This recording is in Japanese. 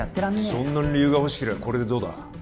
そんなに理由が欲しけりゃこれでどうだ？